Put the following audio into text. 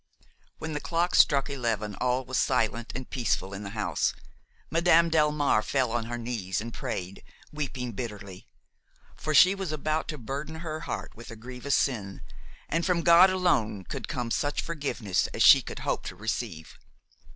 When the clock struck eleven all was silent and peaceful in the house. Madame Delmare fell on her knees and prayed, weeping bitterly; for she was about to burden her heart with a grievous sin, and from God alone could come such forgiveness as she could hope to receive.